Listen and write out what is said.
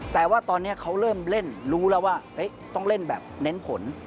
แต่ว่าตอนนี้เขาเริ่มเล่นรู้แล้วว่าต้องเล่นแบบเน้นผล